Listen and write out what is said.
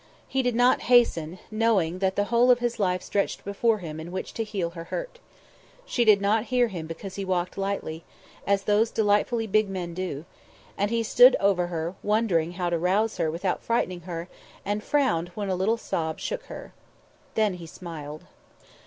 He did not hasten, knowing that the whole of his life stretched before him in which to heal her hurt. She did not hear him because he walked lightly, as those delightfully big men do; and he stood over her, wondering how to rouse her without frightening her, and frowned when a little sob shook her. Then he smiled.